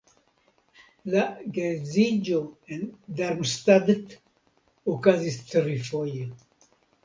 La geedziĝo en Darmstadt okazis trifoje.